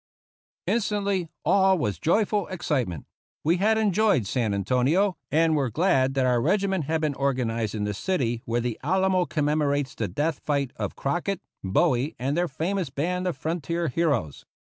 Instantly, all was joyful excitement. We had enjoyed San Antonio, and were glad that our reg iment had been organized in the city where the Alamo commemorates the death fight of Crock ett, Bowie, and their famous band of frontier heroes.